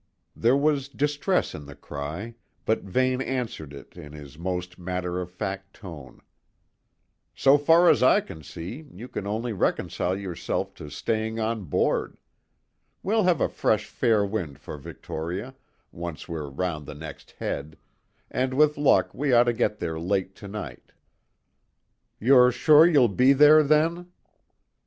There was distress in the cry, but Vane answered it in his most matter of fact tone: "So far as I can see, you can only reconcile yourself to staying on board. We'll have a fresh fair wind for Victoria once we're round the next head, and with luck we ought to get there late to night." "You're sure you'll be there, then?"